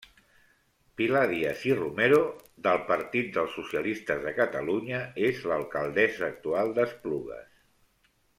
Pilar Díaz i Romero, del Partit dels Socialistes de Catalunya, és l'alcaldessa actual d'Esplugues.